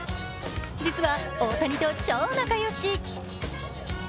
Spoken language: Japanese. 実は大谷と超仲良し。